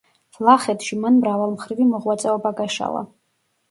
ვლახეთში მან მრავალმხრივი მოღვაწეობა გაშალა.